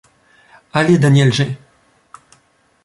Allée Daniel Gey.